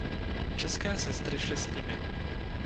České sestry šly s nimi.